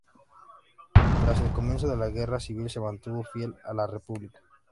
Tras el comienzo de la Guerra civil se mantuvo fiel a la República.